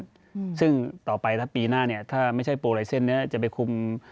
อืมซึ่งต่อไปถ้าปีหน้าเนี้ยถ้าไม่ใช่โปรไลเซ็นต์เนี้ยจะไปคุม